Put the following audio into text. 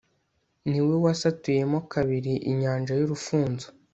ni we wasatuyemo kabiri inyanja y'urufunzo